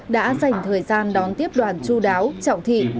đã dành thời gian đón tiếp đoàn chú đáo trọng thị